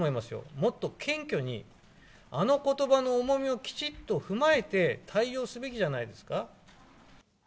もっと謙虚に、あのことばの重みをきちっと踏まえて、対応すべきじゃないですか。